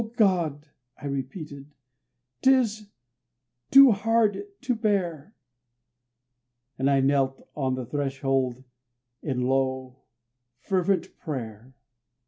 God," I repeated, "'tis too hard to bear," And I knelt on the threshold in low, fervent prayer.